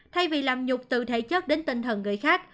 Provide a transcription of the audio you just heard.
thay vì làm nhục từ thể chất đến tinh thần người khác